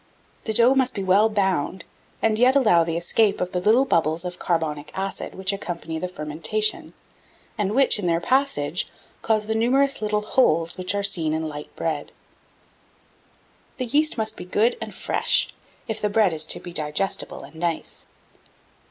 The dough must be well "bound," and yet allow the escape of the little bubbles of carbonic acid which accompany the fermentation, and which, in their passage, cause the numerous little holes which are seen in light bread. 1676. The yeast must be good and fresh, if the bread is to be digestible and nice.